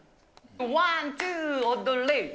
ワン、ツー、踊れ。